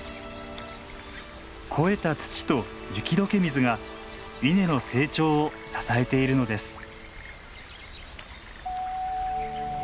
肥えた土と雪解け水が稲の成長を支えているのです。